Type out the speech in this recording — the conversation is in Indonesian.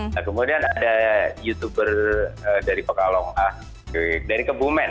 nah kemudian ada youtuber dari pakalonga dari kebumen